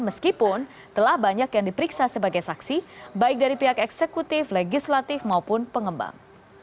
meskipun telah banyak yang diperiksa sebagai saksi baik dari pihak eksekutif legislatif maupun pengembang